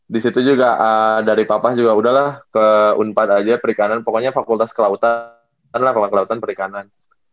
disitu juga dari papa juga udahlah ke unpad aja perikanan pokoknya fakultas kelautan lah fakultas kelautan perikanan